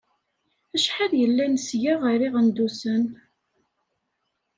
Acḥal yellan seg-a ɣer Iɣendusen?